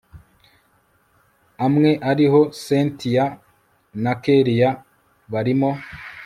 amwe ariho cyntia na kellia barimo